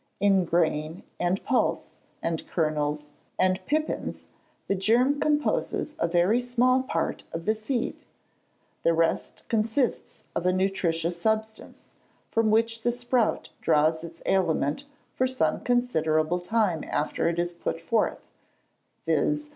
In grain, and pulse, and kernels, and pipins, the germ composes a very small part of the seed. The rest consists of a nutritious substance, from which the sprout draws its aliment for some considerable time after it is put forth; viz.